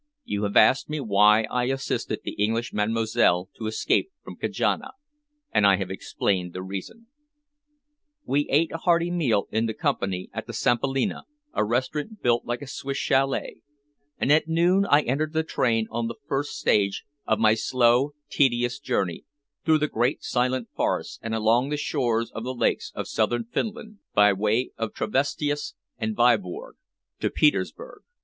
You have asked me why I assisted the English Mademoiselle to escape from Kajana, and I have explained the reason." We ate a hearty meal in company at the Sampalinna, a restaurant built like a Swiss châlet, and at noon I entered the train on the first stage of my slow, tedious journey through the great silent forests and along the shores of the lakes of Southern Finland, by way of Tavestehus and Viborg, to Petersburg.